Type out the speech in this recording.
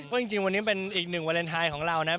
ก็จริงวันนี้เป็นอีก๑วาเลนไทยของเรานะ